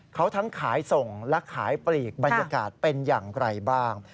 เขาทั้งขายส่งและขายปลีกบรรยากาศเป็นอย่างไรบ้าง